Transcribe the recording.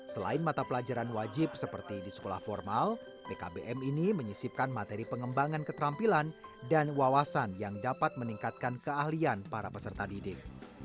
selain mata pelajaran wajib seperti di sekolah formal pkbm ini menyisipkan materi pengembangan keterampilan dan wawasan yang dapat meningkatkan keahlian para peserta didik